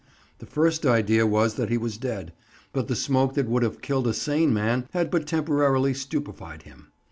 The first idea was that he was dead, but the smoke that would have killed a sane man had but temporarily stupefied him.